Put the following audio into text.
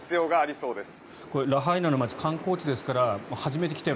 そうですね。